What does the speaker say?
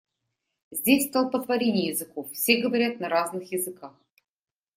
Здесь столпотворение языков, все говорят на разных языках.